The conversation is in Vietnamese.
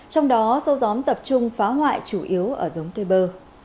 trong đó sâu gióm tập trung phá hoại chủ yếu ở giống tươi bơ